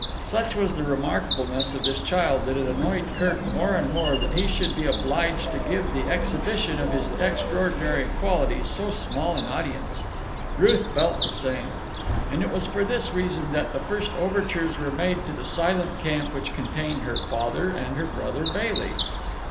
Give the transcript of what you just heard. Such was the remarkableness of this child that it annoyed Kirk more and more that he should be obliged to give the exhibition of his extraordinary qualities to so small an audience. Ruth felt the same; and it was for this reason that the first overtures were made to the silent camp which contained her father and her brother Bailey.